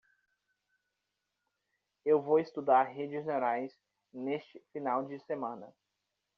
Eu vou estudar redes neurais neste final de semana.